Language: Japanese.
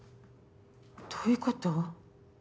どういうこと？